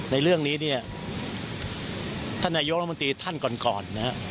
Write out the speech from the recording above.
ในเรื่องนี้เนี่ยท่านนายกรมตรีท่านก่อน